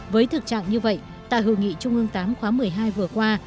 với thực trạng như vậy tại hội nghị trung ương tám khóa một mươi hai vừa qua